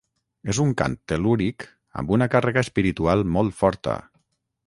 És un cant tel·lúric amb una càrrega espiritual molt forta